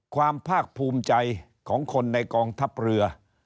ความภาคภูมิใจของคนในกองทัพเรือ